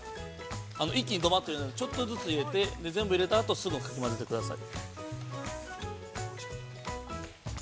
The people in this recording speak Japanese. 一気にどばっと入れないで、ちょっとずつ入れて、全部入れたあと、すぐにかき混ぜてください。